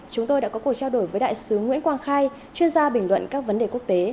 chúng tôi đã có cuộc trao đổi với đại sứ nguyễn quang khai chuyên gia bình luận các vấn đề quốc tế